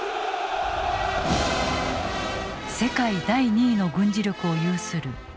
世界第２位の軍事力を有するロシア軍。